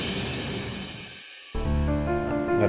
lagi lagi ini murti mana sih